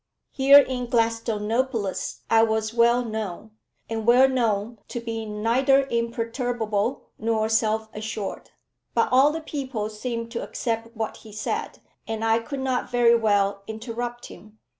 Here in Gladstonopolis I was well known, and well known to be neither imperturbable nor self assured. But all the people seemed to accept what he said, and I could not very well interrupt him.